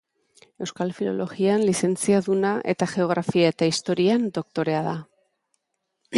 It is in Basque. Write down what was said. Euskal Filologian lizentziaduna eta Geografia eta Historian doktorea da.